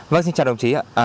vâng xin chào đồng chí ạ